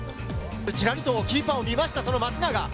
ちらりとキーパーを見ました、松永。